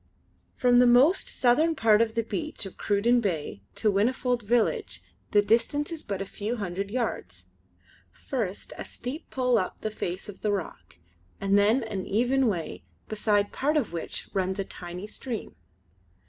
From the most southern part of the beach of Cruden Bay to Whinnyfold village the distance is but a few hundred yards; first a steep pull up the face of the rock; and then an even way, beside part of which runs a tiny stream.